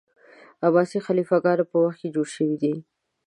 عباسي خلیفه ګانو په وخت کي جوړ سوی دی.